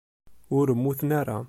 Ur mmuten ara.